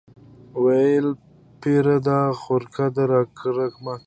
ویل پیره دا خرقه دي راکړه ماته